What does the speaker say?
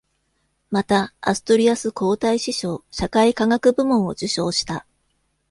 また、アストゥリアス皇太子賞社会科学部門を受賞した。